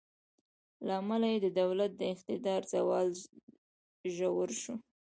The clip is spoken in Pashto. له امله یې د دولت د اقتدار زوال ژور شو.